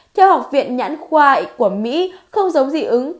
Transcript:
theo học viện nhãn khoa của mỹ không giống dị ứng